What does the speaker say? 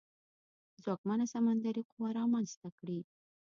ځواکمنه سمندري قوه رامنځته کړي.